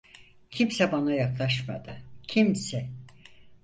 Kimse bana yaklaşmadı, kimse.